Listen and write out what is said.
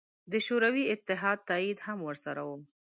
د شوروي اتحاد تایید هم ورسره و.